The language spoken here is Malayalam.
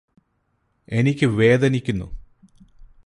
എനിക്ക് വേദനിക്കുന്നു